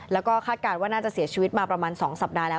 แล้วก็คาดการณ์ว่าน่าจะเสียชีวิตมาประมาณ๒สัปดาห์แล้ว